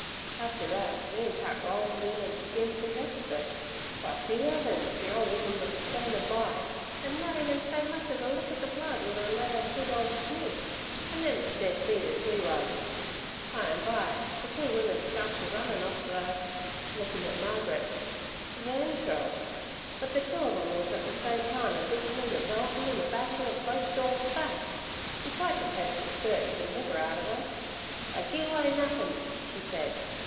After thet me an' Pat rolls in an' skins an' dresses it. But, be 'eavens! the ole woman was a standin' by, an' nut even so much as a lick at the blood would 'er le' our two dorgs sneak, an' them as dead beat as we wuz. By and by the two wimin starts a runnin' of ther'—looking at Margaret—'ther—intrils, but the two of 'em wuz at the same time a beatin' and a beltin' and a bashin' of both dorgs' back. We tried t' coax ther skirts an' liver out ov 'er. "I gi'e away nothin'," she said.